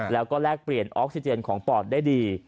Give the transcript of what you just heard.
แล้วก็แลกเปลี่ยนออกซิเจนของปอดได้ดี